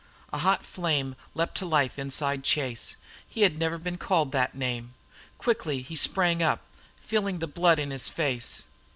A hot flame leaped to life inside Chase. He had never been called that name. Quickly he sprang up, feeling the blood in his face.